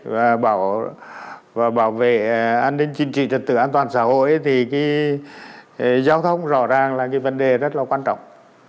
và bảo vệ an ninh chính trị trật tự an toàn xã hội thì cái giao thông rõ ràng là cái vấn đề rất là quan trọng